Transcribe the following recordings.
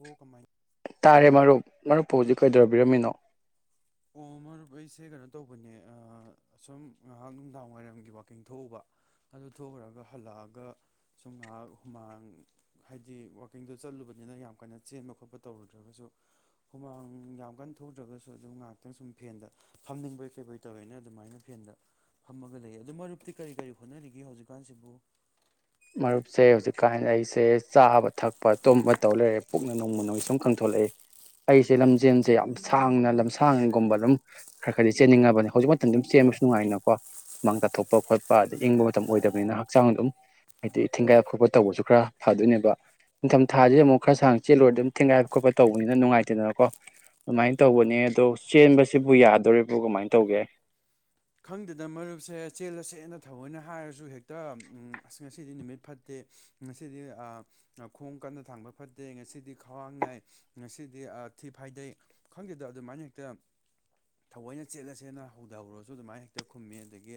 ꯑꯣ ꯀꯃꯥꯏ ꯇꯥꯔꯦ ꯃꯔꯨꯞ ꯃꯔꯨꯞꯄꯨ ꯍꯧꯖꯤꯛ ꯀꯩꯗꯧꯕꯤꯔꯝꯃꯤꯅꯣ ꯑꯣ ꯃꯔꯨꯞ ꯑꯩꯁꯦ ꯀꯩꯅꯣ ꯇꯧꯕꯅꯦ ꯑ ꯑꯁꯨꯝ ꯉꯥꯏꯍꯥꯛ ꯅꯨꯡꯗꯥꯡ ꯋꯥꯏꯔꯝꯒꯤ ꯋꯥꯛꯀꯤꯡ ꯊꯣꯛꯎꯕ ꯑꯗꯨ ꯊꯣꯛꯎꯔꯥꯒ ꯍꯜꯂꯛꯑꯒ ꯁꯨꯝ ꯉꯩꯍꯥꯛ ꯍꯨꯃꯥꯡ ꯍꯥꯏꯗꯤ ꯋꯥꯛꯀꯤꯡꯗꯣ ꯆꯠꯂꯨꯕꯅꯤꯅ ꯌꯥꯝ ꯀꯥꯟꯅ ꯆꯦꯟꯕ ꯈꯣꯠꯄ ꯇꯧꯔꯨꯗ꯭ꯔꯒꯁꯨ ꯍꯨꯃꯥꯡ ꯌꯥꯝ ꯀꯟ ꯊꯣꯛꯇꯔꯒꯁꯨ ꯑꯗꯨꯝ ꯉꯥꯛ ꯉꯛꯇꯪ ꯁꯨꯝ ꯐꯦꯟꯗ ꯐꯝꯅꯤꯡꯕꯩ ꯀꯩꯕꯒꯤ ꯇꯧꯋꯦꯅ ꯑꯗꯨꯃꯥꯏꯅ ꯐꯦꯟꯗ ꯐꯝꯃꯒ ꯂꯩꯌꯦ ꯑꯗꯨ ꯃꯔꯨꯞꯇꯤ ꯀꯔꯤ ꯀꯔꯤ ꯍꯣꯠꯅꯔꯤꯒꯦ ꯍꯧꯖꯤꯛꯀꯥꯟꯁꯤꯕꯨ ꯃꯔꯨꯞꯁꯦ ꯍꯧꯖꯤꯛ ꯀꯥꯟ ꯑꯩꯁꯦ ꯆꯥꯕ ꯊꯛꯄ ꯇꯨꯝꯕ ꯇꯧ ꯂꯩꯔꯦ ꯄꯨꯛꯅ ꯅꯣꯡꯃ ꯅꯣꯡꯒꯤ ꯁꯨꯝ ꯈꯪꯊꯣꯛꯂꯛꯏ ꯑꯩꯁꯦ ꯂꯝꯖꯦꯟꯁꯦ ꯌꯥꯝ ꯁꯥꯡꯅ ꯂꯝꯁꯥꯡꯒꯨꯝꯕ ꯑꯗꯨꯝ ꯈꯔ ꯈꯔꯗꯤ ꯆꯦꯟꯅꯤꯡꯉꯕꯅꯦ ꯍꯧꯖꯤꯛ ꯃꯇꯝꯗ ꯑꯗꯨꯝ ꯆꯦꯟꯕꯁꯨ ꯅꯨꯡꯉꯥꯏꯅꯀꯣ ꯍꯨꯃꯥꯡ ꯇꯥꯊꯣꯛꯄ ꯈꯣꯠꯄ ꯑꯗꯩ ꯏꯪꯕ ꯃꯇꯝ ꯑꯣꯏꯗꯕꯅꯤꯅ ꯍꯛꯆꯥꯡ ꯑꯗꯨꯝ ꯍꯥꯏꯗꯤ ꯊꯦꯡꯒꯥꯏ ꯈꯣꯠꯄ ꯇꯧꯕꯁꯨ ꯈꯔ ꯐꯗꯣꯏꯅꯦꯕ ꯅꯤꯡꯊꯝ ꯊꯥꯥꯁꯦ ꯑꯃꯨꯛ ꯈꯔ ꯁꯥꯡ ꯆꯦꯜꯂꯨꯔꯗꯤ ꯑꯗꯨꯝ ꯊꯤꯟꯒꯥꯏꯕ ꯈꯣꯠꯄ ꯇꯧꯕꯅꯤꯅ ꯅꯨꯡꯉꯥꯏꯇꯦꯗꯅꯀꯣ ꯑꯗꯨꯃꯥꯏꯅ ꯇꯧꯕꯅꯦ ꯑꯗꯣ ꯆꯦꯟꯕꯁꯤꯕꯨ ꯌꯥꯗꯣꯔꯤꯕꯣ ꯀꯃꯥꯏꯅ ꯇꯧꯒꯦ ꯈꯪꯗꯦꯗꯅ ꯃꯔꯨꯞꯁꯦ ꯆꯦꯜꯂꯁꯦꯅ ꯊꯑꯣꯏꯅ ꯍꯥꯏꯔꯁꯨ ꯍꯦꯛꯇ ꯎꯝ ꯑꯁ ꯉꯁꯤꯗꯤ ꯅꯨꯃꯤꯠ ꯐꯠꯇꯦ ꯉꯁꯤꯗꯤ ꯑ ꯈꯣꯡ ꯀꯟꯅ ꯊꯥꯡꯕ ꯐꯠꯇꯦ ꯉꯁꯤꯗꯤ ꯈ꯭ꯋꯥꯡ ꯅꯥꯏ ꯉꯁꯤꯗꯤ ꯊꯤ ꯐꯥꯏꯗꯩ ꯈꯪꯗꯦꯗ ꯑꯗꯨꯃꯥꯏꯅ ꯍꯦꯛꯇ ꯊꯥꯑꯣꯏꯅ ꯆꯦꯠꯂꯁꯦꯅ ꯍꯧꯗ ꯍꯧꯔꯁꯨ ꯑꯗꯨꯃꯥꯏꯅ ꯍꯦꯛꯇ ꯈꯨꯝꯃꯤ ꯑꯗꯒꯤ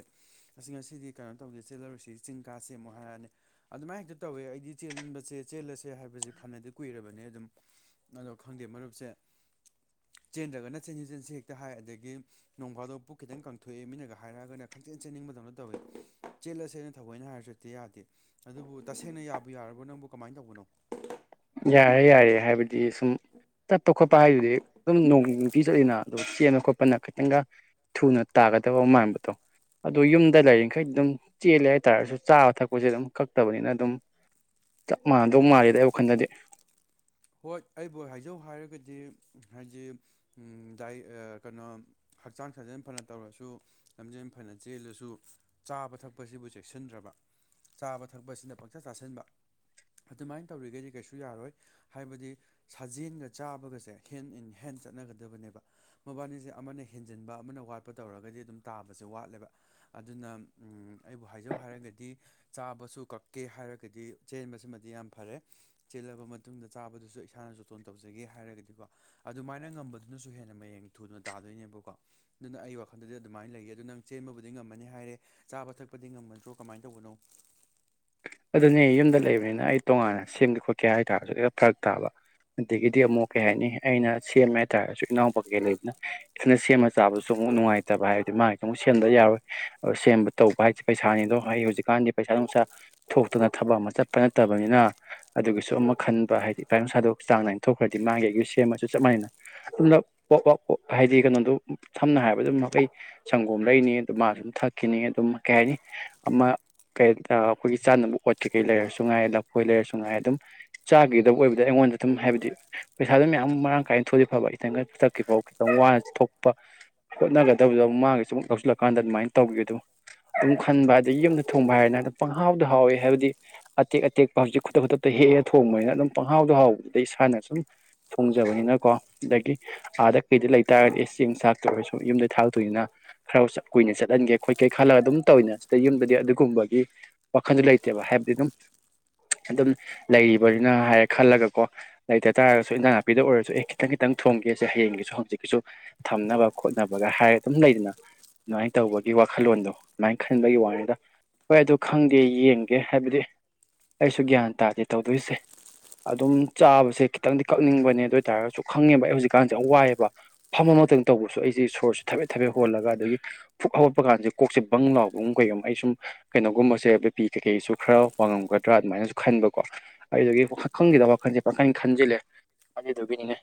ꯑꯁ ꯉꯁꯤꯗꯤ ꯀꯩꯅꯣ ꯇꯧꯁꯦ ꯆꯦꯜꯂꯔꯣꯏꯁꯤ ꯆꯤꯡ ꯀꯥꯥꯁꯦ ꯑꯃꯨꯛ ꯍꯥꯏꯔꯛꯑꯅꯤ ꯑꯗꯨꯃꯥꯏꯅ ꯍꯦꯛꯇ ꯇꯧꯋꯦ ꯑꯩꯗꯤ ꯆꯦꯟꯕꯁꯦ ꯆꯦꯜꯂꯁꯦ ꯍꯥꯏꯕꯁꯦ ꯐꯅꯗꯤ ꯀꯨꯏꯔꯕꯅꯦ ꯑꯗꯨꯝ ꯑꯗꯣ ꯈꯪꯗꯦ ꯃꯔꯨꯞꯁꯦ ꯆꯦꯟꯗ꯭ꯔꯒꯅ ꯆꯦꯟꯁꯤ ꯆꯦꯟꯁꯤ ꯍꯦꯛꯇ ꯍꯥꯏ ꯑꯗꯒꯤ ꯅꯣꯡꯐꯥꯗꯣꯛ ꯄꯨꯛ ꯈꯤꯇꯪ ꯀꯪ ꯊꯣꯛꯑꯦ ꯃꯤꯅꯒ ꯍꯥꯏꯔꯛꯑꯒꯅ ꯈꯪꯆꯦꯜ ꯆꯦꯟꯅꯤꯡꯕꯗꯧꯅ ꯇꯧꯋꯤ ꯆꯦꯜꯂꯁꯦꯅ ꯊꯑꯣꯏꯅ ꯍꯥꯏꯔꯁꯨ ꯍꯦꯛꯇꯥ ꯌꯥꯗꯦ ꯑꯗꯨꯕꯨ ꯇꯁꯦꯡꯅ ꯌꯥꯕꯨ ꯌꯥꯔꯕ꯭ꯔꯣ ꯅꯪꯕꯨ ꯀꯃꯥꯏꯅ ꯇꯧꯕꯅꯣ ꯌꯥꯔꯦ ꯌꯥꯔꯦ ꯍꯥꯏꯕꯗꯤ ꯁꯨꯝ ꯇꯞ ꯇꯣꯞ ꯈꯣꯠꯄ ꯍꯥꯏꯗꯨꯗꯤ ꯑꯗꯨꯝ ꯅꯣꯡ ꯅꯨꯡꯇꯤ ꯆꯠꯂꯤꯅ ꯑꯗꯣ ꯆꯦꯟ ꯈꯣꯠꯄꯅ ꯈꯤꯇꯪꯒ ꯊꯨꯅ ꯇꯥꯒꯗꯕ ꯃꯥꯟꯕꯗꯣ ꯑꯗꯣ ꯌꯨꯝꯗ ꯂꯩꯔꯤꯈꯩ ꯑꯗꯨꯝ ꯆꯦꯜꯂꯦ ꯍꯥꯏꯇꯥꯔꯁꯨ ꯆꯥꯕ ꯊꯛꯄꯁꯦ ꯑꯗꯨꯝ ꯀꯛꯇꯕꯅꯤꯅ ꯑꯗꯨꯝ ꯆꯞ ꯃꯥꯟꯅꯗꯧ ꯃꯥꯂꯦꯗ ꯑꯩ ꯋꯥꯈꯜꯗꯗꯤ ꯍꯣꯏ ꯑꯩꯕꯨ ꯍꯥꯏꯖꯧ ꯍꯥꯏꯔꯒꯗꯤ ꯍꯥꯏꯗꯤ ꯗꯥꯏ ꯑ ꯀꯩꯅꯣ ꯍꯛꯆꯥꯡ ꯁꯥꯖꯦꯟ ꯐꯅ ꯇꯧꯔꯁꯨ ꯂꯝꯖꯦꯜ ꯐꯅ ꯆꯦꯜꯂꯁꯨ ꯆꯥꯕ ꯊꯛꯄꯁꯤꯕꯨ ꯆꯦꯛꯁꯤꯟꯗ꯭ꯔꯕ ꯆꯥꯕ ꯊꯛꯄꯁꯤꯅ ꯄꯪꯆꯥ ꯆꯥꯁꯤꯟꯕ ꯑꯗꯨꯃꯥꯏꯅ ꯇꯧꯔꯤꯒꯩꯗꯤ ꯀꯩꯁꯨ ꯌꯥꯔꯣꯏ ꯍꯥꯏꯕꯗꯤ ꯁꯥꯖꯦꯟꯒ ꯆꯥꯕꯒꯁꯦ ꯍꯦꯟ ꯏꯟ ꯍꯦꯟ ꯆꯠꯅꯒꯗꯕꯅꯦꯕ ꯃꯕꯥꯅꯤꯁꯦ ꯑꯃꯅ ꯍꯦꯟꯖꯤꯟꯕ ꯑꯃꯅ ꯋꯥꯠꯄ ꯇꯧꯔꯒꯗꯤ ꯑꯗꯨꯝ ꯇꯥꯕꯁꯦ ꯋꯥꯠꯂꯦꯕ ꯑꯗꯨꯅ ꯑꯩꯕꯨ ꯍꯥꯏꯖꯧ ꯍꯥꯏꯔꯒꯗꯤ ꯆꯥꯕꯁꯨ ꯀꯛꯀꯦ ꯍꯥꯏꯔꯒꯗꯤ ꯆꯦꯟꯕꯁꯤꯃꯗꯤ ꯌꯥꯝ ꯐꯔꯦ ꯆꯦꯜꯂꯕ ꯃ ꯇꯨꯡꯗ ꯆꯥꯕꯗꯨꯁꯨ ꯏꯁꯥꯅ ꯆꯣꯇꯣꯟ ꯇꯧꯖꯒꯦ ꯍꯥꯏꯔꯒꯗꯤꯀꯣ ꯑꯗꯨꯃꯥꯏꯅ ꯉꯝꯕꯗꯨꯅꯁꯨ ꯍꯦꯟꯅ ꯃꯌꯦꯡ ꯊꯨꯅ ꯇꯥꯗꯣꯏꯅꯦꯕꯀꯣ ꯑꯗꯨꯅ ꯑꯩ ꯋꯥꯈꯟꯗꯗꯤ ꯑꯗꯨꯃꯥꯏꯅ ꯂꯩꯌꯦ ꯑꯗ‌ꯣ ꯅꯪ ꯆꯦꯟꯕꯕꯨꯗꯤ ꯉꯝꯃꯅꯤ ꯍꯥꯏꯔꯦ ꯆꯥꯕ ꯊꯛꯄꯗꯤ ꯉꯝꯃꯗ꯭ꯔꯣ ꯀꯃꯥꯏꯅ ꯇꯧꯕꯅꯣ ꯑꯗꯨꯅꯦ ꯌꯨꯝꯗ ꯂꯩꯕꯅꯤꯅ ꯑꯩ ꯇꯣꯉꯥꯟꯅ ꯁꯤꯟꯒꯦ ꯈꯣꯠꯀꯦ ꯍꯥꯏꯇꯥꯔꯁꯨ ꯍ‌ꯦꯛ ꯐꯔꯛ ꯇꯥꯕ ꯑꯗꯒꯤꯗꯤ ꯑꯃꯨꯛ ꯀꯩ ꯍꯥꯏꯅꯤ ꯑꯩꯅ ꯁꯦꯝꯃꯦ ꯍꯥꯏꯇꯥꯔꯁꯨ ꯏꯅꯥꯎꯄꯥꯀꯩ ꯀꯩ ꯂꯩꯕꯅꯤꯅ ꯏꯊꯟꯇ ꯁꯦꯝꯃ ꯆꯥꯕꯗꯨꯁꯨ ꯑꯃꯨꯛ ꯅꯨꯡꯉꯥꯏꯇꯕ ꯍꯥꯏꯕꯗꯤ ꯃꯥꯒꯤꯁꯨ ꯑꯃꯨꯛ ꯁꯦꯝꯕ ꯌꯥꯔꯣꯏ ꯑꯗꯨ ꯁꯦꯝꯕ ꯇꯧꯕ ꯍꯥꯏꯁꯦ ꯄꯩꯁꯥꯅꯤꯗꯣ ꯑꯩ ꯍꯧꯖꯤꯛꯀꯥꯟꯗꯤ ꯄꯩꯁꯥ ꯅꯨꯡꯁꯥ ꯊꯣꯛꯇꯅ ꯊꯕꯛ ꯑꯃ ꯆꯠꯄ ꯅꯠꯇꯕꯅꯤꯅ ꯑꯗꯨꯒꯤꯁꯨ ꯑꯃꯨꯛ ꯈꯟꯕ ꯍꯥꯏꯗꯤ ꯇꯥꯏꯃꯤꯡ ꯁꯥꯗꯣꯛ ꯆꯥꯡ ꯅꯥꯏꯅ ꯊꯣꯛꯈ꯭ꯔꯗꯤ ꯃꯥꯒꯤ ꯑꯩꯒꯤꯁꯨ ꯁꯦꯝꯃꯁꯨ ꯆꯞ ꯃꯥꯟꯅꯩꯗꯅ ꯅꯛꯄ ꯂꯥꯞꯄꯤ ꯍꯥꯏꯗꯤ ꯀꯩꯅꯣꯗ‌ꯣ ꯁꯝꯅ ꯍꯥꯏꯕꯗ ꯃꯈꯩ ꯁꯪꯒꯣꯝ ꯂꯩꯅꯤ ꯑꯗꯨ ꯃꯥꯁꯨꯝ ꯊꯛꯈꯤꯅꯤ ꯑꯗꯨꯝ ꯀꯩꯍꯥꯏꯅꯤ ꯑꯃ ꯀ‌ꯩ ꯇ ꯑꯩꯈꯣꯏꯒꯤ ꯆꯥꯅꯕ ꯑꯣꯠꯀꯩ ꯀꯩ ꯂꯩꯔꯁꯨ ꯉꯥꯏ ꯂꯐꯣꯏ ꯂꯩꯔꯁꯨ ꯉꯥꯏ ꯑꯗꯨꯝ ꯆꯥꯈꯤꯗꯕ ꯑꯣꯏꯕꯗꯨꯗ ꯑꯩꯉꯣꯟꯗ ꯑꯗꯨꯝ ꯍꯥꯏꯕꯗꯤ ꯄꯩꯁꯥꯗꯨ ꯃꯌꯥꯝ ꯃꯔꯥꯡ ꯀꯥꯏꯅ ꯊꯣꯛꯑꯗꯤ ꯐꯕ ꯈꯤꯇꯪꯒ ꯆꯠꯈꯤꯕꯐꯥꯎ ꯈꯤꯇꯪ ꯋꯥꯅ ꯊꯣꯛꯄ ꯍꯣꯠꯅꯒꯗꯕꯗꯣ ꯃꯥꯥꯒꯤꯁꯨ ꯑꯃꯨꯛ ꯌꯥꯎꯁꯤꯜꯂꯀꯥꯟꯗ ꯑꯗꯨꯃꯥꯏꯅ ꯇꯧꯒꯤ ꯑꯗꯨꯝ ꯑꯗꯨꯝ ꯈꯟꯕ ꯑꯗꯩ ꯌꯨꯝꯗ ꯊꯣꯡꯕ ꯍꯥꯏꯔꯅ ꯑꯗ ꯄꯪꯍꯥꯎꯗ ꯍꯥꯎꯋꯦ ꯍꯥꯏꯕꯗꯤ ꯑꯇꯦꯛ ꯑꯇꯦꯛꯄ ꯍꯧꯖꯤꯛ ꯈꯨꯗꯛ ꯈꯨꯗꯛꯇ ꯍꯦꯛꯑ ꯊꯣꯡꯕꯅꯤꯅ ꯑꯗꯨꯝ ꯄꯪꯍꯥꯎꯗ ꯍꯥꯎꯕꯅꯤꯅ ꯏꯁꯥꯅ ꯁꯨꯝ ꯊꯣꯡꯖꯕꯅꯤꯅꯀꯣ ꯑꯗꯒꯤ ꯑꯥꯗ ꯀꯩꯗ ꯂꯩꯇꯥꯥꯔꯒꯗꯤ ꯆꯦꯡ ꯆꯥꯛꯇ ꯑꯣꯏꯔꯁꯨ ꯌꯨꯝꯗꯩ ꯊꯥꯔꯛꯇꯣꯏꯅꯤꯅ ꯈꯔ ꯀꯨꯏꯅ ꯆꯠꯍꯟꯒꯦ ꯈꯣꯏꯀ‌ꯦ ꯈꯜꯂꯒ ꯑꯗꯨꯝ ꯇꯧꯋ‌ꯦꯅ ꯁꯤꯗ ꯌꯨꯝꯗꯗꯤ ꯑꯗꯨꯒꯨꯝꯕꯒꯤ ꯋꯥꯈꯟꯁꯨ ꯂꯩꯇꯦꯕ ꯍꯥꯏꯕꯗꯤ ꯑꯗꯨꯝ ꯑꯗꯨꯝ ꯂꯩꯔꯤꯕꯅꯤꯅ ꯍꯥꯏꯔꯦ ꯈꯜꯂꯒꯀꯣ ꯂꯩꯇ ꯇꯥꯔꯒꯁꯨ ꯏꯟꯖꯥꯡ ꯅꯥꯄꯤꯗ ꯑꯣꯏꯔꯁꯨ ꯑꯦ ꯈꯤꯇꯪ ꯈꯤꯇꯪ ꯊꯣꯡꯒꯦꯁꯦ ꯍꯌꯦꯡꯒꯤꯁꯨ ꯍꯪꯆꯤꯠꯀꯤꯁꯨ ꯊꯝꯅꯕ ꯈꯣꯠꯅꯕꯒ ꯍꯥꯏꯔꯒ ꯑꯗꯨꯝ ꯂꯩꯗꯅ ꯑꯗꯨꯃꯥꯏꯅ ꯇꯧꯕꯒꯤ ꯋꯥꯈꯜꯂꯣꯟꯗꯣ ꯑꯗꯨꯃꯥꯏꯅ ꯈꯟꯕꯒꯤ ꯋꯥꯅꯤꯗ ꯍꯣꯏ ꯑꯗꯨ ꯈꯪꯗꯦ ꯌꯦꯡꯒꯦ ꯍꯥꯏꯕꯗꯤ ꯑꯩꯁꯨ ꯒ꯭ꯌꯥꯟ ꯇꯥꯗꯦ ꯇꯧꯗꯣꯏꯁꯦ ꯑꯗꯨꯝ ꯆꯥꯕꯁꯦ ꯈꯤꯇꯪꯗꯤ ꯀꯛꯅꯤꯡꯕꯅꯦ ꯑꯗ‌ꯣꯏ ꯇꯥꯔꯒꯁꯨ ꯈꯪꯉꯦꯕ ꯑꯩ ꯍꯧꯖꯤꯛꯀꯥꯟꯁꯦ ꯌꯥꯝ ꯋꯥꯏꯌ‌ꯦꯕ ꯐꯝꯕꯃꯛꯇ ꯇꯧꯕꯁꯨ ꯑꯩꯁꯦ ꯁꯣꯔꯁꯦ ꯊꯕꯦꯠ ꯊꯕꯦꯠ ꯍꯣꯜꯂꯒ ꯑꯗꯒꯤ ꯐꯛ ꯍꯧꯒꯠꯄ ꯀꯥꯟꯁꯦ ꯀꯣꯛꯁꯦ ꯕꯪ ꯂꯥꯎꯕꯒꯨꯝ ꯀꯩꯒꯨꯝ ꯑꯩꯁꯨꯝ ꯀꯩꯅꯣꯒꯨꯝꯕ ꯁꯦ ꯕꯤ ꯄꯤ ꯀꯩ ꯀꯩꯁꯨ ꯈꯔ ꯋꯥꯡꯉꯝꯒꯗ꯭ꯔꯥ ꯑꯗꯨꯃꯥꯏꯅꯁꯨ ꯈꯟꯕ ꯀꯣ ꯑꯗꯨꯗꯒꯤ ꯋꯥꯈꯜ ꯈꯪꯗ‌ꯦꯗ ꯋꯥꯈꯜꯁꯦ ꯄꯪꯈꯟ ꯈꯟꯖꯤꯜꯂꯦ ꯑꯗꯨꯗꯨꯒꯤꯅꯤꯅꯦ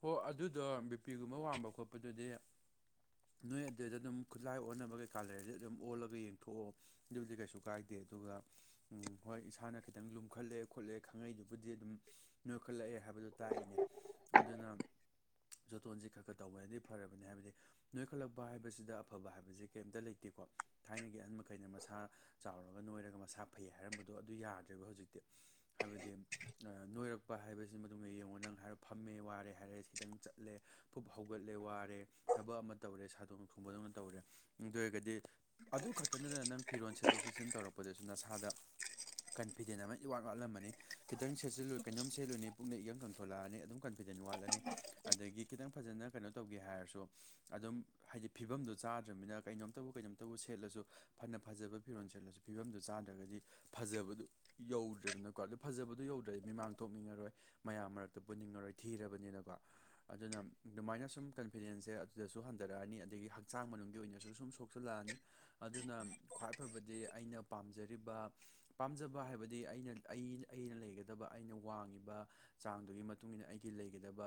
ꯍꯣ ꯑꯗꯨꯗꯣ ꯕꯤ ꯄꯤꯒꯨꯝꯕ ꯋꯥꯡꯕ ꯈꯣꯠꯄꯗꯗꯤ ꯅꯣꯏ ꯑꯗꯨꯏꯗ ꯑꯗꯨꯝ ꯈꯨꯠꯂꯥꯏ ꯑꯣꯟꯅꯕ ꯀꯩꯀꯥ ꯂꯩꯔꯗꯤ ꯑꯗꯨꯝ ꯑꯣꯜꯂꯒ ꯌꯦꯡꯊꯣꯛꯑꯣ ꯑꯗꯨꯕꯨꯗꯤ ꯀꯩꯁꯨ ꯀꯥꯏꯗꯦ ꯑꯗꯨꯒ ꯎꯝ ꯍꯣꯏ ꯏꯁꯥꯅ ꯈꯤꯇꯪ ꯂꯨꯝꯈꯠꯂꯦ ꯈꯣꯠꯂꯦ ꯈꯪꯉꯛꯏꯗꯨꯕꯨꯗꯤ ꯑꯗꯨꯝ ꯅꯣꯏꯈꯠꯂꯛꯑꯦ ꯍꯥꯏꯕꯗ‌ꯣ ꯇꯥꯛꯏꯅꯦ ꯑꯗꯨꯅ ꯖ‌ꯣꯇꯣꯟꯁꯤ ꯈꯔ ꯈꯔ ꯇꯧꯕꯅꯗꯤ ꯐꯔꯕꯅꯤ ꯍꯥꯏꯕꯗꯤ ꯅꯣꯏꯈꯠꯂꯛꯄ ꯍꯥꯏꯕꯁꯤꯗ ꯑꯐꯕ ꯍꯥꯏꯕꯁ‌ꯦ ꯀꯩꯝꯇ ꯂꯩꯇꯦꯀꯣ ꯊꯥꯏꯅꯒꯤ ꯑꯍꯟ ꯃꯈꯩꯅ ꯃꯁꯥ ꯆꯥꯎꯔꯒ ꯅꯣꯏꯔꯒ ꯃꯁꯥ ꯐꯩ ꯍꯥꯏꯔꯝꯕꯗꯣ ꯑꯗꯨ ꯌꯥꯗ꯭ꯔꯦꯕ ꯍꯧꯖꯤꯛꯇꯤ ꯍꯥꯏꯕꯗꯤ ꯅꯣꯏꯔꯛꯄ ꯍꯥꯏꯕꯁꯤ ꯃꯇꯨꯡ ꯌꯦꯡꯉꯣ ꯅꯪ ꯍꯥꯏꯔ‌ꯣ ꯐꯝꯃꯦ ꯋꯥꯔꯦ ꯍꯥꯏꯔꯦ ꯁꯤꯇꯪ ꯆꯠꯂꯦ ꯄꯨꯛ ꯍꯧꯒꯠꯂꯦ ꯋꯥꯔꯦ ꯊꯕꯛ ꯑꯃ ꯇꯧꯔꯦ ꯁꯥꯗꯣꯡ ꯊꯨꯡꯕꯗꯧꯅ ꯇꯧꯔꯦ ꯑꯗꯨ ꯑꯣꯏꯔꯒꯗꯤ ꯑꯗꯨ ꯈꯛꯇ ꯅꯠꯇꯅ ꯅꯪ ꯐꯤꯔꯣꯜ ꯁꯦꯠꯇꯣꯛ ꯁꯦꯠꯆꯤꯟ ꯇꯧꯔꯛꯄꯗꯁꯨ ꯅꯁꯥꯗ ꯀꯟꯐꯤꯗꯦꯟ ꯑꯃ ꯏꯋꯥꯠ ꯋꯥꯠꯂꯝꯃꯅꯤ ꯈꯤꯇꯪ ꯁꯦꯠꯆꯤꯜꯂꯨꯏ ꯀꯩꯅꯣꯝ ꯁꯦꯠꯂꯨꯅꯤ ꯄꯨꯛꯅ ꯏꯀꯪ ꯀꯪꯊꯣꯂꯛꯑꯅꯤ ꯑꯗꯨꯝ ꯀꯟꯐꯤꯗꯦꯟ ꯋꯥꯠꯂꯅꯤ ꯑꯗꯒꯤ ꯈꯤꯇꯪ ꯐꯖꯅ ꯀꯩꯅꯣ ꯇꯧꯒꯦ ꯍꯥꯏꯔꯁꯨ ꯑꯗꯨꯝ ꯍꯥꯏꯗꯤ ꯐꯤꯕꯝꯗꯣ ꯆꯥꯗ꯭ꯔꯕꯅꯤꯅ ꯀꯩꯅꯣꯝꯇꯕꯨ ꯀꯩꯅꯣꯝꯇꯕꯨ ꯁꯦꯠꯂꯁꯨ ꯐꯅ ꯐꯖꯕ ꯐꯤꯔꯣꯜ ꯁꯦꯠꯂꯁꯨ ꯐꯤꯕꯝꯗꯨ ꯆꯥꯗ꯭ꯔꯒꯗꯤ ꯐꯖꯕꯗꯨ ꯌꯧꯗ꯭ꯔꯦꯗꯅꯀꯣ ꯑꯗꯨ ꯐꯖꯕꯗꯨ ꯌꯧꯗ꯭ꯔꯦꯗꯤ ꯃꯤꯃꯥꯡ ꯊꯣꯛꯅꯤꯡꯉꯔꯣꯏ ꯃꯌꯥꯝ ꯃꯔꯛꯇ ꯄꯨꯟꯅꯤꯡꯉꯔꯣꯏ ꯊꯤꯔꯕꯅꯤꯅꯀꫭ ꯑꯗꯨꯅ ꯑꯗꯨꯃꯥꯏꯅ ꯁꯨꯝ ꯀꯟꯐꯤꯗꯦꯟꯁꯁꯦ ꯑꯗꯨꯗꯁꯨ ꯍꯟꯊꯔꯛꯑꯅꯤ ꯑꯗꯒꯤ ꯍꯛꯆꯥꯡ ꯃꯅꯨꯡꯒꯤ ꯑꯣꯏꯅꯁꯨ ꯁꯨꯝ ꯁꯣꯛ ꯁ ꯂꯥꯛꯑꯅꯤ ꯑꯗꯨꯅ ꯈ꯭ꯋꯥꯏ ꯐꯕꯗꯤ ꯑꯩꯅ ꯄꯥꯝꯖꯔꯤꯕ ꯄꯥꯝꯖꯕ ꯍꯥꯏꯕꯗꯤ ꯑꯩꯅ ꯑꯩꯅ ꯂꯩꯒꯗꯕ ꯑꯩꯅ ꯋꯥꯡꯉꯤꯕ ꯆꯥꯡꯗꯨꯒꯤ ꯃꯇꯨꯡ ꯏꯟꯅ ꯑꯩꯒꯤ ꯂꯩꯒꯗꯕ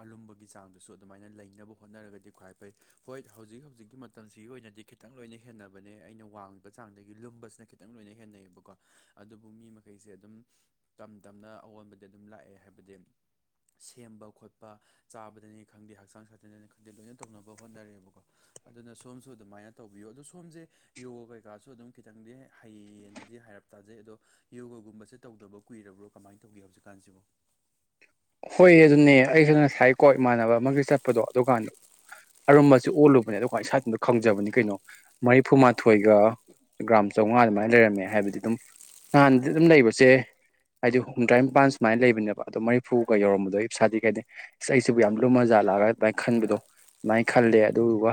ꯑꯔꯨꯝꯕꯒꯤ ꯆꯥꯡꯗꯨꯁꯨ ꯑꯗꯨꯃꯥꯏꯅ ꯂꯩꯅꯕ ꯍꯣꯠꯅꯔꯒꯗꯤ ꯈ꯭ꯋꯥꯏ ꯐꯩ ꯍꯣꯏ ꯍꯧꯖꯤꯛ ꯍꯧꯖꯤꯛꯀꯤ ꯃꯇꯝꯁꯤꯒꯤ ꯑꯣꯏꯅꯗꯤ ꯈꯤ ꯈꯤꯇꯪ ꯂꯣꯏꯅ ꯍꯦꯟꯅꯕꯅꯦ ꯑꯩꯅ ꯋꯥꯡꯉꯤꯕ ꯆꯥꯡꯗꯒꯤ ꯂꯨꯝꯕꯁꯤꯅ ꯈꯤꯇꯪ ꯂꯣꯏꯅ ꯍꯦꯟꯅꯩꯌꯦꯕꯀꯣ ꯑꯗꯨꯕꯨ ꯃꯤ ꯃꯈꯩꯁꯦ ꯑꯗꯨꯝ ꯇꯝ ꯇꯞꯅ ꯑꯑꯣꯟꯕꯗꯤ ꯑꯗꯨꯝ ꯂꯥꯛꯑꯦ ꯍꯥꯏꯕꯗꯤ ꯁꯦꯝꯕ ꯈꯣꯠꯄ ꯆꯥꯕꯗꯅꯤ ꯈꯪꯗꯦ ꯍꯛꯆꯥꯡ ꯁꯥꯖꯗꯅꯤ ꯈꯪꯗꯦ ꯂꯣꯏꯅ ꯇꯧꯅꯕ ꯍꯣꯠꯅꯔꯦꯕꯀꯣ ꯑꯗꯨꯅ ꯁꯣꯝꯁꯨ ꯑꯗꯨꯃꯥꯏꯅ ꯇꯧꯕꯤꯌꯨ ꯑꯗꯣ ꯁꯣꯝꯁꯦ ꯌꯣꯒ ꯀꯩꯀꯥꯁꯨ ꯑꯗꯨꯝ ꯈꯤꯇꯪꯗꯤ ꯍꯩꯌꯦꯅꯗꯤ ꯍꯥꯏꯔꯞ ꯇꯥꯖꯩ ꯑꯗꯣ ꯌꯣꯒꯨꯝꯕꯁꯦ ꯇꯧꯗꯕ ꯀꯨꯏꯔꯕ꯭ꯔꯣ ꯀꯃꯥꯏꯅ ꯇꯧꯒꯦ ꯍꯧꯖꯤꯛꯀꯥꯟꯁꯤꯕꫭ ꯍꯣꯏ ꯑꯗꯨꯅꯦ ꯑꯩꯁꯨ ꯉꯁꯥꯏꯀꯣ ꯏꯃꯥꯟꯅꯕ ꯑꯃꯒꯤ ꯆꯠꯄꯗꯣ ꯑꯗꯨꯀꯥꯟꯗ ꯑꯔꯨꯝꯁꯨ ꯑꯣꯜꯂꯨꯕꯅꯦ ꯑꯗꯣ ꯑꯩ ꯏꯁꯋꯥꯏꯗꯗ ꯈꯪꯖꯕꯅꯤ ꯀꯩꯅꯣ ꯃꯔꯤꯐꯨꯃꯥꯊꯣꯏꯒ ꯒ꯭ꯔꯥꯝ ꯆꯥꯝꯃꯉꯥ ꯑꯗꯨꯃꯥꯏꯅ ꯂꯩꯔꯝꯃꯦ ꯍꯥꯏꯕꯗꯤ ꯑꯗꯨꯝ ꯍꯥꯟꯗꯤ ꯑꯗꯨꯝ ꯂꯩꯕꯁꯦ ꯍꯥꯏꯗꯤ ꯍꯨꯝꯗ꯭ꯔꯥ ꯅꯤꯄꯥꯟ ꯁꯨꯃꯥꯏꯅ ꯂꯩꯕꯅꯦꯕ ꯑꯗꯣ ꯃꯔꯤꯐꯨꯒ ꯌꯧꯔꯝꯕꯗꯣ ꯏꯁꯥꯗꯤ ꯀꯩꯗꯦ ꯑ ꯑꯩꯁꯤꯕꯨ ꯌꯥꯝ ꯂꯨꯝ ꯃꯖꯥ ꯂꯥꯛꯑꯒ ꯑꯗꯨꯃꯥꯏꯅ ꯈꯟꯕꯗꯣ ꯑꯗꯨꯃꯥꯏꯅ ꯈꯜꯂꯦ ꯑꯗꯨꯗꯨꯒ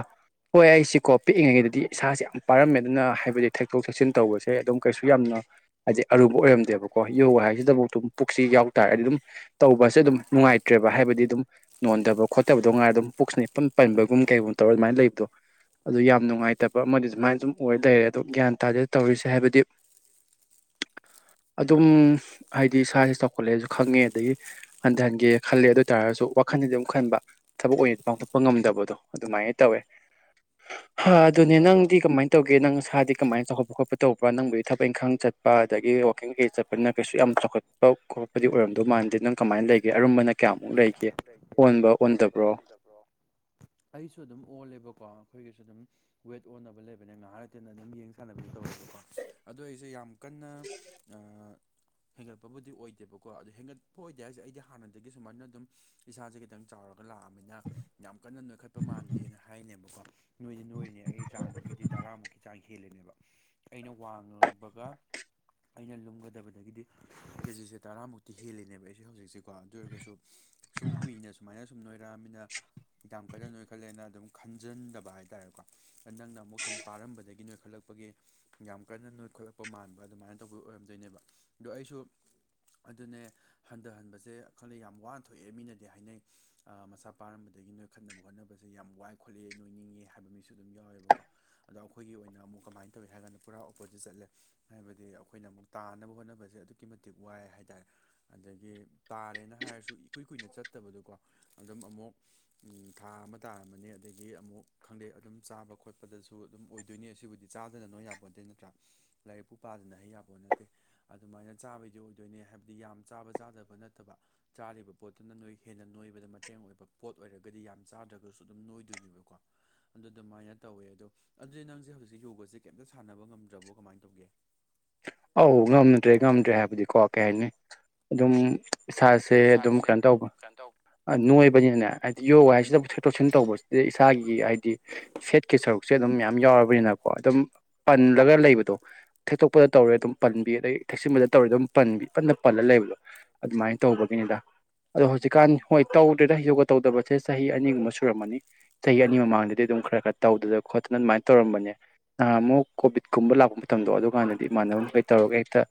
ꯍꯣꯏ ꯑꯩꯁꯤꯀꯣ ꯄꯤꯛꯏꯉꯩꯗꯗꯤ ꯏꯁꯥꯁꯦ ꯌꯥꯝ ꯄꯥꯔꯝꯃꯦ ꯑꯗꯨꯅ ꯍꯥꯏꯕꯗꯤ ꯊꯛꯇꯛꯇꯣꯛ ꯊꯛꯆꯤꯟ ꯇꯧꯕꯁꯦ ꯑꯗꯨꯝ ꯀꯩꯁꯨ ꯌꯥꯝꯅ ꯍꯥꯏꯗꯤ ꯑꯔꯨꯕ ꯑꯣꯏꯔꯝꯗꯦꯕꯀꯣ ꯌꯣꯒꯥ ꯍꯥꯏꯁꯤꯗꯐꯥꯎ ꯑꯗꯨꯝ ꯄꯨꯛꯁꯤ ꯌꯥꯎꯇꯥꯥꯔꯗꯤ ꯑꯗꯨꯝ ꯇꯧꯕꯁꯦ ꯑꯗꯨꯝ ꯅꯨꯡꯉꯥꯏꯇ꯭ꯔꯦꯕ ꯍꯥꯏꯕꯗꯤ ꯑꯗꯨꯝ ꯅꯣꯟꯗꯕ ꯈꯣꯠꯇꯕꯗꯣ ꯉꯥꯏꯔꫭ ꯑꯗꯨꯝ ꯄꯨꯛꯁꯤꯅꯦ ꯄꯟꯕꯒꯨꯝ ꯀꯩꯒꯨꯝꯕ ꯇꯧꯔ ꯑꯗꯨꯃꯥꯏꯅ ꯂꯩꯕꯗꯣ ꯑꯗꯨ ꯌꯥꯝ ꯅꯨꯡꯉꯥꯏꯇꯕ ꯑꯃꯗꯤ ꯁꯨꯃꯥꯏꯅ ꯁꯨꯝ ꯑꯣꯏ ꯂꯩꯔꯦ ꯑꯗꯣ ꯒ꯭ꯌꯥꯟ ꯇꯥꯗꯦ ꯇꯧꯔꯤꯁꯦ ꯍꯥꯏꯕꯗꯤ [inaudible] ꯑꯗꯨꯝ ꯍꯥꯏꯗꯤ ꯏꯁꯥꯁꯦ ꯆꯥꯎꯈꯠꯂꯦꯁꯨ ꯈꯪꯉꯦ ꯑꯗꯒꯤ ꯍꯟꯊꯍꯟꯒꯦ ꯈꯜꯂꯦ ꯑꯗꯨ ꯇꯥꯔꯒꯁꯨ ꯋꯥꯈꯜꯗꯗꯤ ꯑꯗꯨꯝ ꯈꯟꯕ ꯊꯕꯛ ꯑꯣꯏꯅꯗꯤ ꯄꯥꯡꯊꯣꯛꯄ ꯉꯝꯗꯕꯗꯣ ꯑꯗꯨꯃꯥꯏꯅ ꯇꯧꯋꯦ ꯍꯥ ꯑꯗꯨꯅꯦ ꯑꯗꯣ ꯅꯪꯗꯤ ꯀꯃꯥꯏꯅ ꯇꯧꯒꯦ ꯅꯪꯁꯥꯗꯤ ꯀꯃꯥꯏꯅ ꯆꯥꯎꯈꯠꯄ ꯈꯣꯠꯄ ꯇꯧꯕ꯭ꯔꯥ ꯅꯪꯕꯨꯒꯤ ꯊꯕꯛ ꯏꯪꯈꯥꯡ ꯆꯠꯄ ꯑꯗꯒꯤ ꯋꯥꯀꯤꯡ ꯀꯩ ꯆꯠꯄꯅ ꯀꯩꯁꯨ ꯌꯥꯝ ꯆꯥꯎꯈꯠ ꯄ ꯈꯣꯠꯄꯗꯤ ꯑꯣꯏꯔꯝꯗꯣꯏ ꯃꯥꯟꯗꯦ ꯅꯪ ꯀꯃꯥꯏꯅ ꯂꯩꯒꯦ ꯑꯔꯨꯝꯕꯅ ꯀꯌꯥꯃꯨꯛ ꯂꯩꯒꯦ ꯂꯩꯒ° ꯑꯣꯟꯕ ꯑꫭꯟꯕꯔꫭ ꯑꯣꯟꯗꯕ꯭ꯔꯣ ꯑꯣꯟꯗꯕ꯭ꯔꯣ ꯑꯩꯁꯨ ꯑꯗꯨꯝ ꯑꯣꯜꯂꯦꯕꯀꯣ ꯑꯩꯈꯣꯏꯒꯤꯁꯨ ꯑꯗꯨꯝ ꯋꯦꯠ ꯑꯣꯟꯅꯕ ꯂꯩꯕꯅꯦ ꯉꯥꯏꯍꯥ ꯂꯩꯇꯅ ꯑꯗꯨꯝ ꯌꯦꯡ ꯁꯥꯟꯅꯕꯁ ꯇꯧꯋꯦꯕꯀꯣ ꯑꯗꯨꯗꯣ ꯑꯩꯁꯦ ꯌꯥꯝ ꯀꯟꯅꯥ ꯑꯥ ꯍꯦꯟꯒꯠꯄꯕꯨꯗꯤ ꯑꯣꯏꯗꯦꯕꯀꯣ ꯑꯗꯨ ꯍꯦꯟꯒꯠꯄ ꯑꯣꯏꯗꯦ ꯍꯥꯏꯁꯦ ꯑꯩꯗꯤ ꯍꯥꯟꯅꯗꯒꯤ ꯁꯨꯃꯥꯏꯅ ꯑꯗꯨꯝ ꯏꯁꯥꯁꯦ ꯈꯤꯇꯪ ꯆꯥꯎꯔꯒ ꯂꯥꯛꯑꯃꯤꯅ ꯌꯥꯝ ꯀꯟꯅ ꯅꯣꯏꯈꯠꯄ ꯃꯥꯟꯗꯦꯅ ꯍꯥꯏꯅꯦꯕꯀꯣ ꯅꯣꯏꯗꯤ ꯅꯣꯏꯔꯤꯅꯦ ꯑꯩꯒꯤ ꯆꯥꯡꯗꯒꯤꯗꯤ ꯇꯔꯥꯃꯨꯛꯀꯤ ꯆꯥꯡ ꯍꯦꯜꯂꯦꯅꯦꯕ ꯑꯩꯅ ꯋꯥꯉꯝꯕꯒ ꯑꯩꯅ ꯂꯨꯝꯒꯗꯕꯗꯒꯤꯗꯤ ꯀꯦꯖꯤꯁꯦ ꯇꯔꯥꯃꯨꯛꯇꯤ ꯍꯦꯜꯂꯤꯦꯅꯦꯕ ꯑꯩꯁꯦ ꯍꯧꯖꯤꯛ ꯀꯣ ꯑꯗꯨ ꯑꯣꯏꯔꯒꯁꯨ ꯁꯨꯝ ꯀꯨꯏꯅꯥ ꯁꯨꯃꯥꯏꯅ ꯁꯨꯝ ꯅꯣꯏꯔꯛꯑꯃꯤꯅ ꯌꯥꯝ ꯀꯟꯅꯥ ꯅꯣꯏ ꯈꯜꯂꯦꯅ ꯑꯗꯨꯝ ꯈꯟꯖꯟꯗꯕ ꯍꯥꯏꯇꯥꯔꯦꯀꯣ ꯑꯗꯥ ꯅꯪꯅ ꯑꯃꯨꯛ ꯁꯨꯝ ꯄꯥꯔꯝꯕꯗꯒꯤ ꯅꯣꯏꯈꯠꯂꯛꯄꯒꯤ ꯌꯥꯝ ꯀꯟꯅ ꯅꯣꯏꯈꯠꯂꯛꯄ ꯃꯥꯟꯕ ꯑꯗꯨꯃꯥꯏꯅ ꯇꯧꯕꯤ ꯑꯣꯏꯔꯝꯗꯣꯏꯅꯦꯕ ꯑꯗꯣ ꯑꯩꯁꯨ ꯑꯗꯨꯅꯦ ꯍꯟꯊꯍꯟꯕꯁꯦ ꯈꯪꯗꯦ ꯌꯥꯝ ꯋꯥꯅ ꯊꯣꯛꯑꯦ ꯃꯤꯅꯗꯤ ꯍꯥꯏꯅꯩ ꯃꯆꯥ ꯄꯥꯔꯝꯕꯗꯒꯤ ꯅꯣꯏ ꯈꯠꯅꯕ ꯍꯣꯠꯅꯕꯁꯦ ꯌꯥꯝ ꯋꯥꯏ ꯈꯣꯠꯂꯛꯑꯦ ꯅꯣꯏꯅꯤꯡꯉꯦ ꯍꯥꯏꯕ ꯃꯤꯁꯨ ꯑꯗꯨꯝ ꯌꯥꯎꯋꯦꯕꯀꯣ ꯑꯗꯣ ꯑꯩꯈꯣꯏꯒꯤ ꯑꯣꯏꯅ ꯑꯃꯨꯛ ꯀꯃꯥꯏꯅ ꯇꯧꯏ ꯍꯥꯏ ꯀꯥꯟꯗ ꯄꯨꯔꯥ ꯑꯣꯄꯣꯖꯤꯠ ꯆꯠꯂꯦ ꯍꯥꯏꯕꯗꯤ ꯑꯩꯈꯣꯏꯅ ꯑꯃꯨꯛ ꯇꯥꯅꯕ ꯍꯣꯠꯅꯕꯁꯦ ꯑꯗꯨꯛꯀꯤ ꯃꯇꯤꯛ ꯋꯥꯏ ꯍꯥꯏ ꯇꯔꯦ ꯑꯗꯒꯤ ꯇꯥꯔꯦꯅ ꯍꯥꯏꯔꯁꯨ ꯏꯀꯨꯏ ꯀꯨꯏꯅ ꯆꯠꯇꯕꯗꯨꯀꯣ ꯑꯗꯨꯝ ꯑꯃꯨꯛ ꯊꯥ ꯑꯃ ꯇꯥꯔꯝꯃꯅꯤ ꯑꯗꯒꯤ ꯑꯃꯨꯛ ꯈꯪꯗꯦ ꯑꯗꯨꯝ ꯆꯥꯕ ꯈꯣꯠꯄꯗꯁꯨ ꯑꯗꯨꯝ ꯑꯣꯏꯗꯣꯏꯅꯤ ꯑꯁꯤꯕꯨꯗꯤ ꯆꯥꯗꯅ ꯅꯣꯏ ꯌꯥꯄꯣꯠ ꯅꯠꯇꯦ ꯅꯠꯇ꯭ꯔꯥ ꯂꯥꯏꯔꯤꯛꯄꯨ ꯄꯥꯗꯅ ꯍꯩ ꯌꯩꯄꯣꯠ ꯅꯠꯇꯦ ꯑꯗꯨꯃꯥꯏꯅ ꯆꯥꯕꯩꯗꯤ ꯑꯣꯏꯗꯣꯏꯅꯦ ꯍꯥꯏꯕꯗꯤ ꯌꯥꯝ ꯆꯥꯕ ꯆꯥꯗꯕ ꯅꯠꯇꯕ ꯆꯥꯔꯤꯕ ꯄꯣꯠꯇꯨꯅ ꯅꯣꯏ ꯍꯦꯟꯅ ꯅꯣꯏꯕꯗ ꯃꯇꯦꯡ ꯑꯣꯏꯕ ꯄꯣꯠ ꯑꯣꯏꯔꯒꯗꯤ ꯌꯥꯝ ꯆꯥꯗ꯭ꯔꯒꯁꯨ ꯑꯗꯨꯝ ꯅꯣꯏꯗꯣꯏꯅꯦꯕꯀꯣ ꯑꯗꯨ ꯑꯗꯨꯃꯥꯏꯅ ꯇꯧꯋꯦ ꯑꯗꯣ ꯑꯗꯨꯗꯤ ꯅꯪꯁꯦ ꯍꯧꯖꯤꯛ ꯌꯣꯒꯁꯦ ꯀꯩꯝꯇ ꯁꯥꯟꯅꯕ ꯉꯝꯗ꯭ꯔꯕꯣ ꯀꯃꯥꯏꯅ ꯇꯧꯒꯦ ꯑꯧ ꯉꯝꯗ꯭ꯔꯦ ꯉꯝꯗ꯭ꯔꯦ ꯍꯥꯏꯕꯗꯤꯀꯣ ꯀꯩ ꯍꯥꯏꯅꯤ ꯑꯗꯨꯝ ꯏꯁꯥ ꯍꯦ ꯑꯗꯨꯝ ꯏꯁꯥꯁꯦ ꯀꯩꯅꯣ ꯇꯧꯕ ꯀꯩꯅꯣ ꯇꯧ ꯅꯣꯏꯕꯅꯤꯅꯅꯦ ꯍꯥꯏꯗꯤ ꯌꯣꯒꯥ ꯍꯥꯏꯁꯤꯗ ꯊꯦꯛꯇꯣꯛ ꯊꯦꯛꯁꯤꯟ ꯇꯧꯕꯁꯤꯗ ꯏꯁꯥꯒꯤ ꯍꯥꯏꯗꯤ ꯐꯦꯠꯀꯤ ꯁꯔꯨꯛ ꯁꯦ ꯑꯗꯨꯝ ꯃꯌꯥꯝ ꯌꯥꯎꯔꯕꯅꯤꯅꯀꯣ ꯑꯗꯨꯝ ꯄꯜꯂꯒ ꯂꯩꯕꯗꯣ ꯊꯦꯛꯇꯣꯛꯄꯗ ꯇꯧꯔꯦ ꯑꯗꯨꯝ ꯄꯟꯕꯤ ꯑꯗꯩ ꯊꯦꯛꯁꯤꯟꯕꯗ ꯇꯧꯔꯦ ꯑꯗꯨꯝ ꯄꯟꯕꯤ ꯏꯄꯟꯗ ꯄꯜꯂ ꯂꯩꯕꯗꯣ ꯑꯗꯨꯃꯥꯏꯅ ꯇꯧꯕꯒꯤꯅꯤꯗ ꯑꯗꯣ ꯍꯧꯖꯤꯛꯀꯥꯟ ꯍꯣꯏ ꯇꯧꯗ꯭ꯔꯦꯗ ꯌꯣꯒꯥ ꯇꯧꯗꯕꯁꯦ ꯆꯍꯤ ꯑꯅꯤꯒꯨꯝꯕ ꯁꯨꯔꯝꯃꯅꯤ ꯆꯍꯤ ꯑꯅꯤ ꯃꯃꯥꯡꯗꯗꯤ ꯑꯗꯨꯝ ꯈꯔ ꯈꯔ ꯇꯧꯗꯅ ꯈꯣꯠꯇꯅ ꯑꯗꯨꯃꯥꯏꯅ ꯇꯧꯔꯝꯕꯅꯦ ꯅꯍꯥꯃꯨꯛ ꯀꯣꯚꯤꯠꯀꯨꯝꯕ ꯂꯥꯛꯄ ꯃꯇꯝꯗꯣ ꯑꯗꯨꯀꯥꯟꯗꯗꯤ ꯏꯃꯥꯟꯅꯕ ꯈꯩ ꯇꯧꯔꯒ ꯍꯦꯛꯇ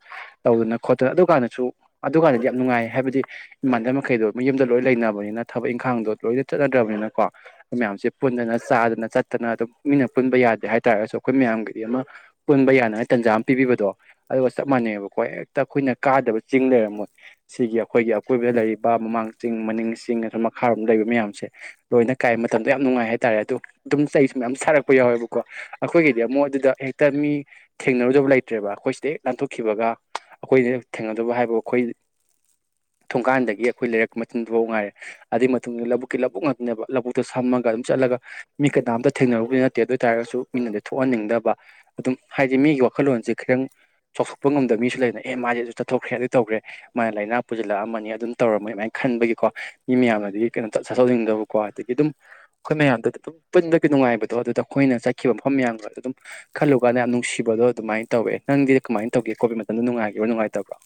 ꯇꯧꯗꯅ ꯈꯣꯠꯇꯅ ꯑꯗꯨꯀꯥꯟꯗꯁꯨ ꯑꯗꯨꯀꯥꯟꯗꯗꯤ ꯌꯥꯝ ꯅꯨꯡꯉꯥꯏ ꯍꯥꯏꯕꯗꯤ ꯏꯃꯥꯟꯅꯕ ꯃꯈꯩꯗꯣ ꯃꯌꯨꯝꯗ ꯂꯣꯏ ꯂꯩꯅꯕꯅꯤꯅ ꯊꯕꯛ ꯏꯪꯈꯥꯡꯗꯣ ꯂꯣꯏꯅ ꯆꯠꯅꯗ꯭ꯔꯕꯅꯤꯅ ꯀꯣ ꯃꯌꯥꯝꯁꯦ ꯄꯨꯟꯗꯅ ꯆꯥꯗꯅ ꯆꯠꯇꯅ ꯑꯗꯨꯝ ꯃꯤꯅ ꯄꯨꯟꯕ ꯌꯥꯗꯦ ꯍꯥꯏꯇꯥꯥꯔꯒꯁꯨ ꯑꯩꯈꯣꯏ ꯃꯌꯥꯝꯒꯤꯗꯤ ꯑꯃ ꯄꯨꯟꯕ ꯌꯥꯅꯉꯥꯏ ꯇꯟꯖꯥ ꯄꯤꯕꯤꯕꯗꯣ ꯑꯗꯨꯒ ꯆꯞ ꯃꯥꯟꯅꯩꯑꯦꯕꯀꯣ ꯍꯦꯛꯇ ꯑꯩꯈꯣꯏꯅ ꯀꯥꯗꯕ ꯆꯤꯡ ꯂꯩꯔꯝꯃꯣꯏ ꯁꯤꯒꯤ ꯑꯩꯈꯣꯏꯒꯤ ꯑꯀꯣꯏꯕꯗ ꯂꯩꯔꯤꯕ ꯃꯃꯥꯡ ꯆꯤꯡ ꯃꯅꯤꯡ ꯆꯤꯡ ꯅꯠꯇ꯭ꯔ ꯃꯈꯥꯔꯣꯝꯗ ꯂꯩꯔꯤꯕ ꯃꯌꯥꯝꯁꯦ ꯂꯣꯏꯅ ꯀꯥꯏ ꯃꯇꯝꯗꯣ ꯌꯥꯝ ꯅꯨꯡꯉꯥꯏ ꯍꯥꯏꯇꯥꯔꯦ ꯑꯗꯣ ꯑꯗꯨꯝ ꯆꯩꯁꯨ ꯃꯌꯥꯝ ꯁꯥꯔꯛꯄ ꯌꯥꯎꯋꯦꯕꯀꯣ ꯑꯩꯈꯣꯏꯒꯤꯗꯤ ꯑꯃꯨꯛ ꯑꯗꯨꯗ ꯍꯦꯛꯇ ꯃꯤ ꯊꯦꯡꯅꯔꯨꯗꯕ ꯂꯩꯇꯦ ꯀꯩꯕ ꯑꯩꯈꯣꯏ ꯁꯤꯗ ꯍꯦꯛ ꯂꯥꯟꯟꯊꯣꯛꯈꯤꯕꯒ ꯑꯩꯈꯣꯏꯗ ꯊꯦꯡꯅꯗꯨꯕ ꯍꯥꯏꯕꯕꯨ ꯑꯩꯈꯣꯏ ꯊꯣꯡꯒꯥꯟꯗꯒꯤ ꯑꯩꯈꯣꯏ ꯂꯩꯔꯛ ꯃꯆꯤꯟꯗꯨꯐꯥꯎ ꯉꯥꯏꯔꯦ ꯑꯗꯨꯏ ꯃꯇꯨꯡꯗ ꯂꯧꯕꯨꯛꯀꯤ ꯂꯧꯕꯨꯛ ꯉꯛꯇꯅꯦꯕ ꯂꯧꯕꯨꯛꯇ ꯁꯝꯃꯒ ꯑꯗꯨꯝ ꯆꯠꯂꯒ ꯃꯤ ꯀꯅꯥꯝꯇ ꯊꯦꯡꯅꯔꯨꯕꯗꯤ ꯅꯠꯇꯦ ꯑꯗꯨꯏ ꯇꯥꯥꯔꯁꯨ ꯃꯤꯅꯗꯤ ꯊꯣꯛꯍꯟꯅꯤꯡꯗꯕ ꯑꯗꯨꯝ ꯍꯥꯏꯗꯤ ꯃꯤꯒꯤ ꯋꯥꯈꯜꯂꯣꯟꯁꯦ ꯈꯤꯇꯪ ꯆꯥꯎꯊꯣꯛꯄ ꯉꯝꯗꯕ ꯃꯤꯁꯨ ꯂꯩꯗꯅ ꯑꯦ ꯃꯥꯗꯤ ꯑꯗꯨ ꯆꯠꯊꯣꯛꯈ꯭ꯔꯦ ꯑꯗꯨ ꯇꯧꯈ꯭ꯔꯦ ꯃꯥꯅ ꯂꯥꯏꯅꯥ ꯄꯨꯁꯤꯜꯂꯛ ꯑꯝꯃꯅꯤ ꯑꯗꯨꯝ ꯇꯧꯔꯝꯃꯅꯤ ꯑꯗꯨꯃꯥꯏꯅ ꯈꯟꯕꯒꯤꯀꯣ ꯃꯤ ꯃꯌꯥꯝꯅꯗꯤ ꯀꯩꯅꯣ ꯆꯠꯊꯣꯛꯅꯤꯡꯗꯕ ꯀꯣ ꯑꯗꯒꯤ ꯑꯗꯨꯝ ꯑꯩꯈꯣꯏ ꯃꯌꯥꯝꯗꯨꯗ ꯑꯗꯨꯝ ꯄꯨꯟꯕꯒꯤ ꯅꯨꯡꯉꯥꯏꯕꯗꯣ ꯑꯗꯨꯗ ꯑꯩꯈꯣꯏꯅ ꯆꯠꯈꯤꯕ ꯃꯐꯝ ꯃꯌꯥꯝꯒꯗꯣ ꯑꯗꯨꯝ ꯈꯜꯂꯨꯀꯥꯟꯗ ꯌꯥꯝ ꯅꯨꯡꯁꯤꯕꯗꯣ ꯑꯗꯨꯃꯥꯏꯅ ꯇꯧꯋꯦ ꯅꯪꯗꯤ ꯀꯃꯥꯏꯅ ꯇꯧꯒꯦ ꯀꯣꯚꯤꯗ ꯃꯇꯝꯗ ꯅꯨꯡꯉꯥꯏꯈꯤꯕ꯭ꯔꯣ ꯅꯨꯡꯉꯥꯏꯇꯕ꯭ꯔꯣ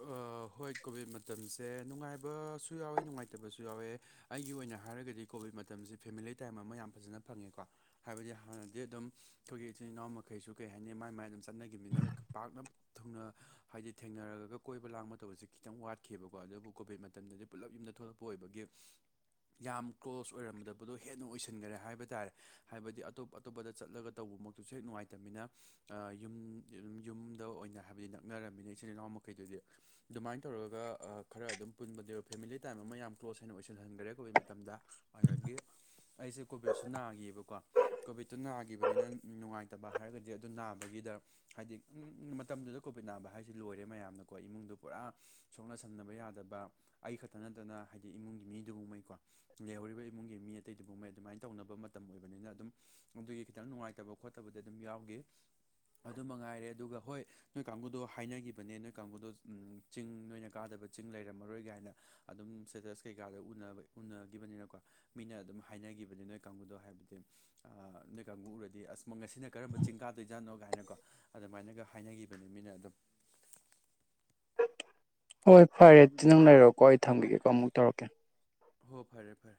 ꯑ ꯍꯣꯏ ꯀꯣꯚꯤꯠ ꯃꯇꯝꯁꯦ ꯅꯨꯡꯉꯥꯏꯕꯁꯨ ꯌꯥꯎꯋꯦ ꯅꯨꯡꯉꯥꯏꯇꯕꯁꯨ ꯌꯥꯎꯋꯦ ꯑꯩꯒꯤ ꯑꯣꯏꯅ ꯍꯥꯏꯔꯒꯗꯤ ꯀꯣꯚꯤꯠ ꯃꯇꯝꯁꯤ ꯐꯦꯃꯤꯂꯤ ꯇꯥꯏꯝ ꯑꯃ ꯌꯥꯝ ꯐꯖꯅ ꯐꯪꯉꯦꯀꯣ ꯍꯥꯏꯕꯗꯤ ꯍꯥꯟꯅꯗꯤ ꯑꯗꯨꯝ ꯑꯩꯈꯣꯏꯒꯤ ꯏꯆꯤꯜ ꯏꯅꯥꯎ ꯃꯈꯩꯁꯨ ꯀꯩ ꯍꯥꯏꯅꯤ ꯃꯥꯏ ꯃꯥꯏ ꯑꯗꯨꯝ ꯆꯠꯅꯈꯤꯝꯅꯤꯅ ꯄꯥꯛꯅ ꯊꯨꯡꯅ ꯍꯥꯏꯗꯤ ꯊꯦꯡꯅꯔꯒ ꯀꯣꯏꯕ ꯂꯥꯡꯕ ꯇꯧꯕꯁꯦ ꯈꯤꯇꯪ ꯋꯥꯠꯈꯤꯕꯀꯣ ꯑꯗꯨꯕꯨ ꯀꯣꯚꯤꯠ ꯃꯇꯝꯗꯗꯤ ꯄꯨꯂꯞ ꯌꯨꯝꯗ ꯊꯣꯛꯂꯛꯄ ꯑꯣꯏꯕꯒꯤ ꯌꯥꯝ ꯀ꯭ꯂꯣꯁ ꯑꯣꯏꯔꯝꯗꯕꯗꯣ ꯍꯦꯟꯅ ꯑꯣꯏꯁꯤꯟꯈꯔꯦ ꯍꯥꯏꯕ ꯇꯥꯔꯦ ꯍꯥꯏꯕꯗꯤ ꯑꯇꯣꯞ ꯑꯇꯣꯞ ꯑꯇꯣꯞꯄꯗ ꯆꯠꯂꯒ ꯇꯧꯕꯃꯛꯁꯨ ꯍꯦꯛ ꯅꯨꯡꯉꯥꯏꯇꯝꯃꯤꯅ ꯑ ꯌꯨꯝ ꯗꯨꯝ ꯌꯨꯝꯗ ꯑꯣꯏꯅ ꯍꯥꯏꯕꯗꯤ ꯅꯛꯅꯔꯝꯅꯤꯅ ꯏꯆꯤꯜ ꯏꯅꯥꯎ ꯃꯈꯩꯗꯨꯗꯤ ꯑꯗꯨꯃꯥꯏꯅ ꯇꯧꯔꯒ ꯈꯔ ꯑꯗꯨꯝ ꯄꯨꯟꯕꯅꯦ ꯐꯦꯃꯤꯂꯤ ꯇꯥꯏꯝ ꯑꯃ ꯌꯥꯝ ꯀ꯭ꯂꯣꯖ ꯍꯦꯟꯅ ꯑꯣꯏꯁꯤꯜꯍꯟꯈ꯭ꯔꯦ ꯀꯣꯚꯤꯠ ꯃꯇꯝꯗ ꯑꯗꯒꯤ ꯑꯩꯁꯦ ꯀꯣꯕꯤꯠꯁꯨ ꯅꯥꯈꯤ ꯌꯦꯕꯀꯣ ꯀꯣꯚꯤꯠꯇꯨ ꯅꯥꯈꯤꯕꯅꯤꯅ ꯅꯨꯡꯉꯥꯏꯇꯕ ꯍꯥꯏꯔꯒꯗꯤ ꯑꯗꯨ ꯅꯥꯕꯒꯤꯗ ꯍꯥꯏꯗꯤ ꯎꯝ ꯃꯇꯝꯗꯨꯗ ꯀꯣꯚꯤꯠ ꯅꯥꯕ ꯍꯥꯏꯁꯦ ꯂꯣꯏꯔꯦ ꯃꯌꯥꯝꯅ ꯀꯣ ꯏꯃꯨꯡꯗꯣ ꯄꯨꯔꯥ ꯁꯣꯛꯅ ꯁꯝꯅꯕ ꯌꯥꯗꯕ ꯑꯩ ꯈꯛꯇ ꯅꯠꯇꯅ ꯍꯥꯏꯗꯤ ꯏꯃꯨꯡꯒꯤ ꯃꯤꯗꯨꯉꯩꯀꯣ ꯂꯩꯍꯧꯔꯤꯕ ꯏꯃꯨꯡꯒꯤ ꯃꯤ ꯑꯇꯩꯗꯨꯉꯩꯏ ꯑꯗꯨꯃꯥꯏꯅ ꯇꯧꯅꯕ ꯃꯇꯝ ꯑꯣꯏꯕꯅꯤꯅ ꯑꯗꯨꯝ ꯑꯗꯨꯒꯤ ꯈꯤꯇꯪ ꯅꯨꯡꯉꯥꯏꯇꯕ ꯈꯣꯠꯇꯕꯗꯤ ꯑꯗꯨꯝ ꯌꯥꯎꯈꯤ ꯑꯗꯨ ꯃꯉꯥꯏꯔꯦ ꯑꯗꯨꯒ ꯍꯣꯏ ꯅꯣꯏ ꯀꯥꯡꯕꯨꯗꯣ ꯍꯥꯏꯅꯈꯤꯕꯅꯦ ꯅꯣꯏ ꯀꯥꯡꯕꯨꯗꯣ ꯆꯤꯡ ꯅꯣꯏꯅ ꯀꯥꯗꯕ ꯆꯤꯡ ꯂꯩꯔꯝꯃꯔꯣꯏ ꯒꯥꯢꯅ ꯑꯗꯨꯝ ꯁꯇꯦꯇꯁ ꯀꯩꯀꯥꯗ ꯎꯅꯕꯩ ꯎꯅꯈꯤꯕꯅꯤꯅꯀꯣ ꯃꯤꯅ ꯑꯗꯨꯝ ꯍꯥꯏꯅꯈꯤꯕꯅꯤ ꯅꯣꯏ ꯀꯥꯡꯕꯨꯗꯣ ꯍꯥꯏꯕꯗꯤ ꯅꯣꯏ ꯀꯥꯡꯕꯨ ꯎꯔꯗꯤ ꯑꯁ ꯉꯁꯤꯅ ꯀꯔꯝꯕ ꯆꯤꯡ ꯀꯥꯗꯣꯏꯖꯥꯠꯅꯣ ꯀꯥꯏꯅꯀꯣ ꯑꯗꯨꯃꯥꯏꯅꯒ ꯍꯥꯏꯅꯈꯤꯕꯅꯤ ꯃꯤꯅ ꯑꯗꯨꯝ ꯍꯣꯏ ꯐꯔꯦ ꯑꯗꯨꯗꯤ ꯅꯪ ꯂꯩꯔꯣꯀꯣ ꯑꯩ ꯊꯝꯒꯤꯒꯦꯀꯣ ꯑꯃꯨꯛ ꯇꯧꯔꯛꯀꯦ ꯍꯣ ꯐꯔꯦ ꯐꯔꯦ